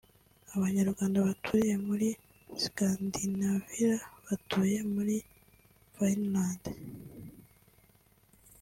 Abanyarwanda batuye muri Scandinavira abatuye muri Finland